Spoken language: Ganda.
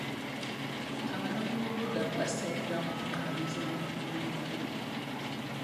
Abanoonyi b'obubuddamu basenga mu nkambi z'abanoonyi b'obubuddamu